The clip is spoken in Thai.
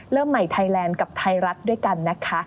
เริ่มใหม่ไทยแลนด์กับไทยรัฐด้วยกันนะคะ